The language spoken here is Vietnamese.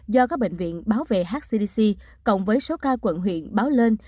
do các bệnh viện bảo vệ hcdc cộng với số ca quận huyện báo lên